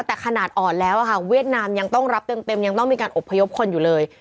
แต่ขนาดอ่อนแล้วค่ะเวียดนามยังต้องรับเต็มยังต้องมีการอบพยพคนอยู่เลย